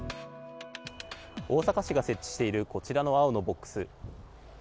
大阪市が設置しているこちらの青のボックス。